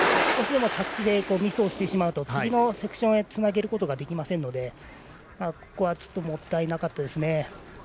少しでも着地でミスをしてしまうと次のセクションへつなげることができませんのでここは、ちょっともったいなかったです。